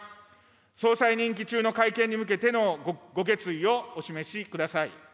総裁任期中の改憲に向けてのご決意をお示しください。